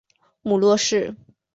母骆氏。